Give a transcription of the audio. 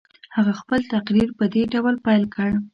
هغه خپل تقریر په دې ډول پیل کړ.